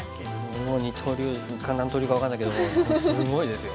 もう二刀流か何刀流か分かんないけどもすごいですよ。